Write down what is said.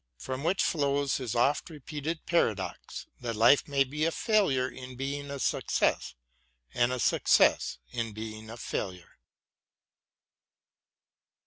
From which flows his oft repeated paradox, that life may be a failure in being a success, and a success in being a failure.